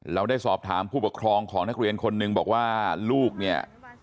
เราได้สอบถามผู้ปกครองของนักเรียนคนหนึ่งบอกว่าลูกเนี่ย